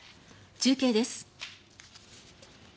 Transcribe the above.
中継です。